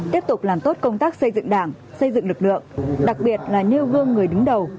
tiếp tục làm tốt công tác xây dựng đảng xây dựng lực lượng đặc biệt là nêu gương người đứng đầu